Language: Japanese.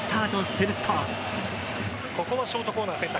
ここはショートコーナーを選択。